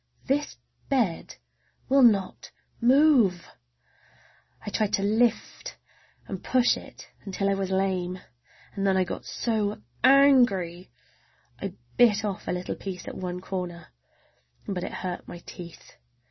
This bed will not move! I tried to lift and push it until I was lame, and then I got so angry I bit off a little piece at one corner—but it hurt my teeth.